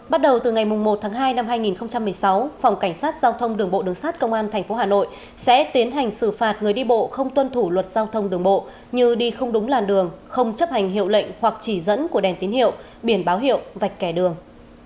bắt đầu từ ngày một tháng hai năm hai nghìn một mươi sáu phòng cảnh sát giao thông đường bộ đường sát công an tp hà nội sẽ tiến hành xử phạt người đi bộ không tuân thủ luật giao thông đường bộ như đi không đúng làn đường không chấp hành hiệu lệnh hoặc chỉ dẫn của đèn tín hiệu biển báo hiệu vạch kẻ đường